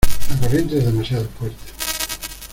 la corriente es demasiado fuerte.